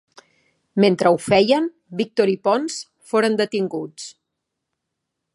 Mentre ho feien, Víctor i Ponç foren detinguts.